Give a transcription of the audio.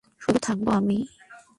শুধু থাকব আমি।